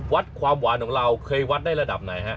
วัดความหวานของเราเคยวัดได้ระดับไหนฮะ